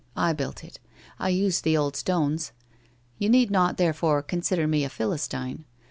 I built it. I used the old stones. You need not, therefore, consider me a Philistine.